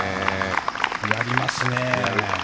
やりますね。